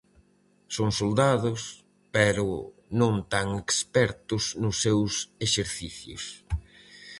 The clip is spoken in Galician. Son soldados, pero non tan expertos nos seus exercicios.